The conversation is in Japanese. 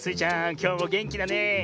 きょうもげんきだねえ。